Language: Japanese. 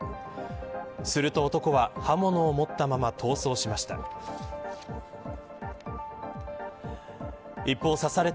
すると、男は刃物を持ったまま逃走しました。